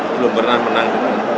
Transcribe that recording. belum pernah menang